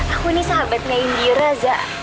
aku ini sahabatnya indira za